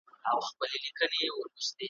محتسبه جنتي ستا دي روزي سي `